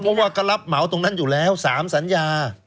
เพราะว่าก็รับเหมาตรงนั้นอยู่แล้ว๓สัญญา